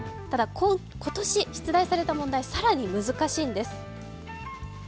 ただ今年出題された問題、更に難しいんです。